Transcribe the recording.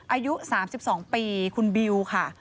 อายุ๓๒ปีคุณบิวค่ะ